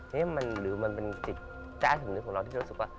นี่มันหรือมันเป็นจิตแก้สัมนึงของเราที่รู้สึกว่า